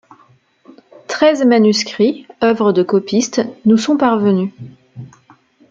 Treize manuscrits, œuvres de copistes, nous sont parvenus.